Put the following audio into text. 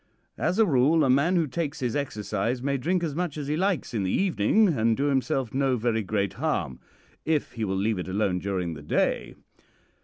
As a rule, a man who takes his exercise may drink as much as he likes in the evening, and do himself no very great harm, if he will leave it alone during the day.